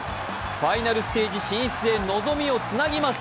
ファイナルステージ進出へ望みをつなぎます。